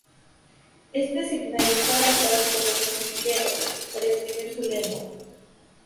Este signario fue adaptado por los celtíberos para escribir su lengua.